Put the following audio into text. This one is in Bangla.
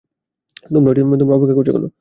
তোমরা অপেক্ষা করছো কেন!